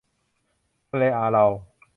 ทะเลอารัล